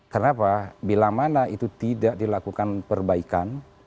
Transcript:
karena apa bila mana itu tidak dilakukan perbaikan